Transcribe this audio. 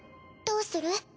どうする？